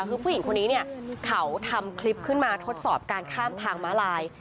คือผู้หญิงคนนี้เนี่ยเขาทำคลิปขึ้นมาทดสอบการข้ามทางม้าลาย